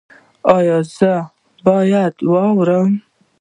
ایا زه باید واورم؟